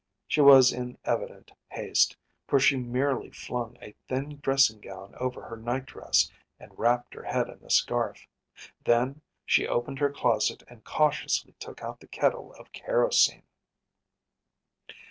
She was in evident haste, for she merely flung a thin dressing gown over her night dress and wrapped her head in a scarf; then she opened her closet and cautiously took out the kettle of kerosene.